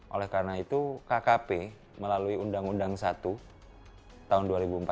oleh karena itu kkp melalui undang undang satu tahun dua ribu empat belas